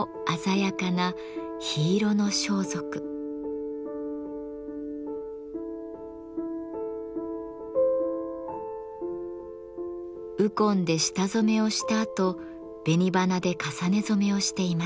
鬱金で下染めをしたあと紅花で重ね染めをしています。